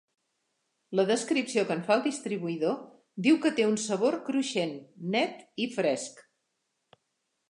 La descripció que en fa el distribuïdor diu que té un "sabor cruixent, net i fresc".